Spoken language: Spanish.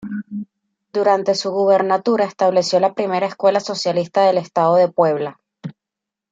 Durante su gubernatura estableció la Primera Escuela Socialista del Estado de Puebla.